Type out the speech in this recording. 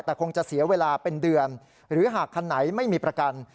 แต่คงจะเสียเวลาเป็นเดือนหรือหากคันไหนไม่มีประกัน